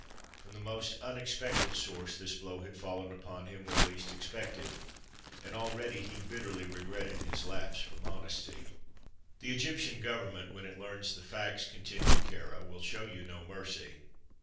From the most unexpected source this blow had fallen upon him when least expected, and already he bitterly regretted his lapse from honesty. "The Egyptian Government, when it learns the facts," continued Kāra, "will show you no mercy.